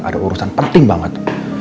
ada urusan penting banget